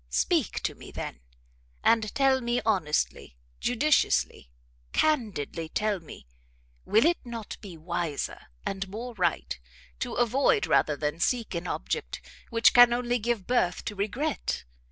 Speak to me, then, and tell me honestly, judiciously, candidly tell me, will it not be wiser and more right, to avoid rather than seek an object which can only give birth to regret?